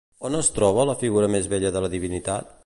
On es troba la figura més vella de la divinitat?